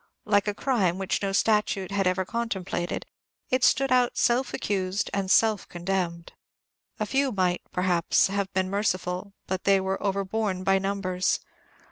Like a crime which no statute had ever contemplated, it stood out self accused and self condemned. A few might, perhaps, have been merciful, but they were overborne by numbers.